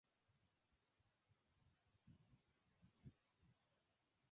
And second, in the alternative, my dog was tied up that night.